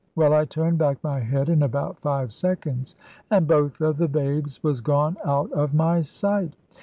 Well, I turned back my head in about five seconds, and both of the babes was gone out of my sight!